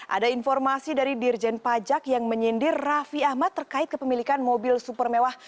ada informasi dari dirjen pajak yang menyindir raffi ahmad terkait kepemilikan mobil super mewah